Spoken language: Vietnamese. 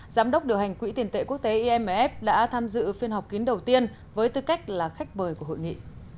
giám đốc điều hành quỹ tiền tệ quốc tế imf đã tham dự phiên học kiến đầu tiên với tư cách là khách bời của hội nghị